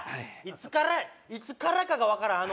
いつからいつからかが分からん